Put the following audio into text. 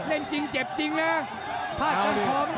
เล่นจริงเจ็บจริงไหม